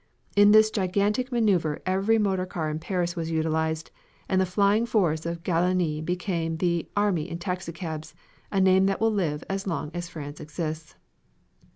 In this gigantic maneuver every motor car in Paris was utilized, and the flying force of Gallieni became the "Army in Taxicabs," a name that will live as long as France exists.